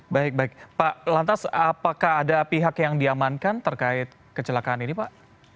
baik baik pak lantas apakah ada pihak yang diamankan terkait kecelakaan ini pak